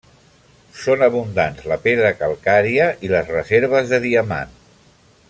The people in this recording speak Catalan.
Són abundants la pedra calcària i les reserves de diamant.